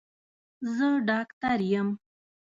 زه ډاکټر یم